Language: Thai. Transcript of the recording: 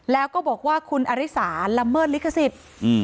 แล้วก็บอกว่าคุณอริสาละเมิดลิขสิทธิ์